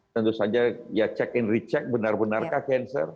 tentu saja ya check in recheck benar benarkah cancer